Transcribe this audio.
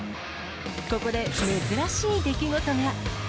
ここで珍しい出来事が。